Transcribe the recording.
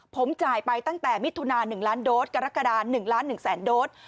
ผมจ่ายไปตั้งแต่มิถุนา๑ล้านโดสกรกฎา๑ล้าน๑แสนโดส